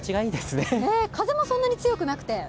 風もそんなに強くなくて。